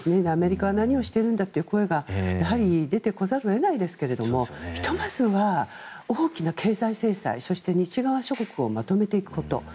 アメリカは何をしてるんだという声がやはり出てこざるを得ないですけどひとまずは大きな経済制裁そして西側諸国をまとめていくこと。